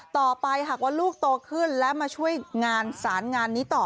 ต่อไปหากว่าลูกโตขึ้นและมาช่วยงานสารงานนี้ต่อ